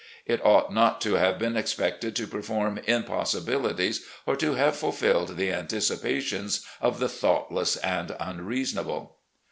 It ought not to have been expected to perform impossibilities, or to have fulfilled the anticipations of the thoughtless and unreasonable."